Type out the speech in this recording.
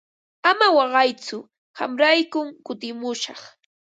Ama waqaytsu qamraykum kutimushaq.